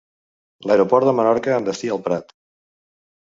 L'aeroport de Menorca amb destí el Prat.